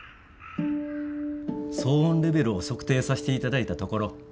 騒音レベルを測定さしていただいたところ基準の。